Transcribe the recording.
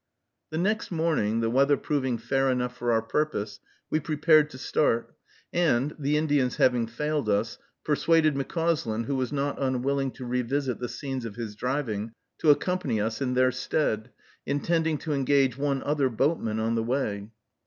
The next morning, the weather proving fair enough for our purpose, we prepared to start, and, the Indians having failed us, persuaded McCauslin, who was not unwilling to revisit the scenes of his driving, to accompany us in their stead, intending to engage one other boatman on the way.